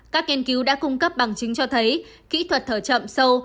các nghiên cứu đã cung cấp bằng chứng cho thấy kỹ thuật thở chậm sâu